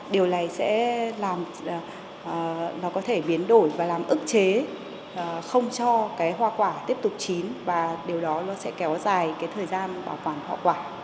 điều này sẽ làm nó có thể biến đổi và làm ức chế không cho cái hoa quả tiếp tục chín và điều đó nó sẽ kéo dài cái thời gian bảo quản hoa quả